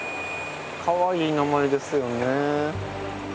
かわいい名前ですよね。